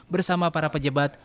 bersama para pejebat